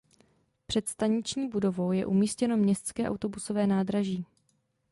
Před staniční budovou je umístěno městské autobusové nádraží.